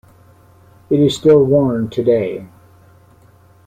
It is still worn today.